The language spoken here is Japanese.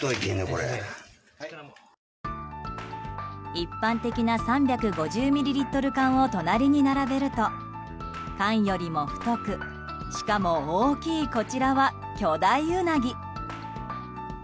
一般的な３５０ミリリットル缶を隣に並べると缶よりも太くしかも大きいこちらは巨大ウナギ。